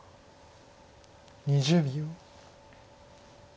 ２０秒。